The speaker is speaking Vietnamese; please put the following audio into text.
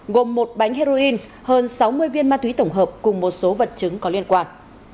gồm một bánh heroin hơn sáu mươi viên ma túy tổng hợp cùng một số vật chứng có liên quan